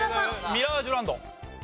ミラージュランド。